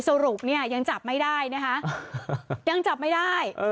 สรุปเนี่ยยังจับไม่ได้นะคะยังจับไม่ได้